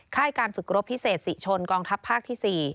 การฝึกรบพิเศษศรีชนกองทัพภาคที่๔